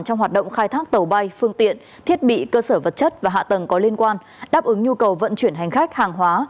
trong hoạt động khai thác tàu bay phương tiện thiết bị cơ sở vật chất và hạ tầng có liên quan đáp ứng nhu cầu vận chuyển hành khách hàng hóa